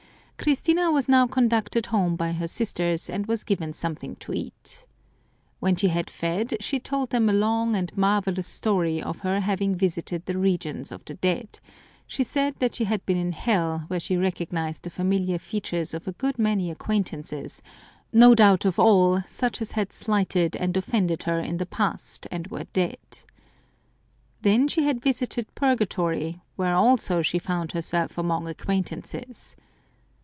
Christina was now conducted home by her sisters, and was given something to eat. When she had fed, she told them a long and marvellous story of her having visited the regions of the dead ; she said that she had been in Hell, where she recognised the familiar features of a good many acquaintances, no doubt of all such as had slighted and offended her in the past and were dead. Then she had visited Purgatory, where also she found herself among 198 I acqu Some Crazy Saints acquaintances.